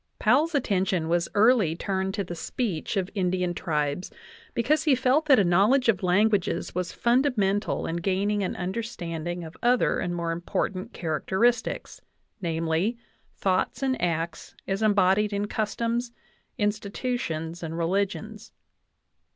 I Powell's attention was early turned to the speech of Indian tribes, because he felt that a knowledge of languages was fundamental in gaining an understanding of other and more important characteristics namely, thoughts and acts as em bodied in customs, institutions, and religions.